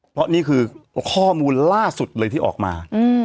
เพราะนี่คือข้อมูลล่าสุดเลยที่ออกมา